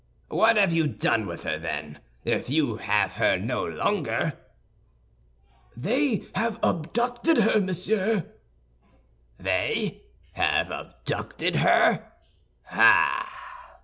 What have you done with her, then, if you have her no longer?" "They have abducted her, monsieur." "They have abducted her? Ah!"